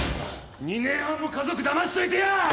２年半も家族だましといてよ！